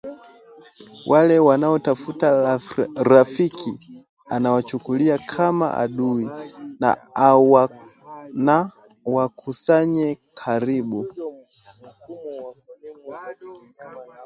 Wale wanaotafuta rafiki anawachukulia kama adui; na wakusanye karibu